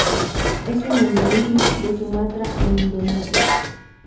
Es un endemismo de Sumatra en Indonesia.